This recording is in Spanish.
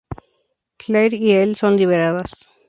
Claire y Elle son liberadas.